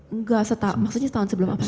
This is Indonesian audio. enggak maksudnya setahun sebelum apa